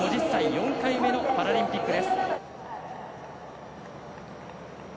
４回目のパラリンピックです。